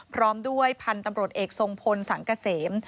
พร้อมด้วยพันธุ์ตำรวจเอกทรงพลสังเกษม